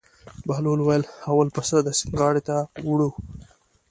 بهلول وویل: اول پسه د سیند غاړې ته وړو.